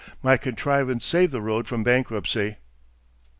My contrivance saved this road from bankruptcy."